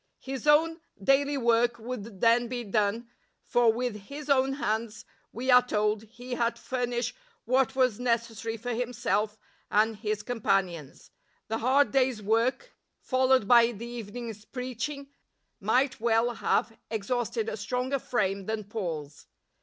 His own daity 'work would then be done, for with his own hands, we are told, he had to furnish what was necessarj^ for himself and his com panions. The hard day's work, followed by the evening's preaching, might well have ex hausted a stronger frame than Paul's.